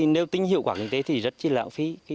nếu tính hiệu quả kinh tế thì rất lãng phí